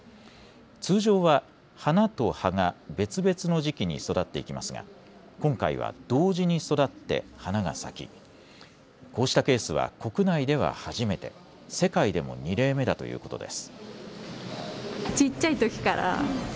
通常は花と葉が別々の時期に育っていきますが今回は同時に育って花が咲きこうしたケースは国内では初めて、世界でも２例目だということです。